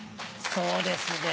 そうですね。